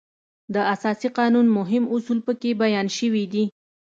د اساسي قانون مهم اصول په کې بیان شوي وو.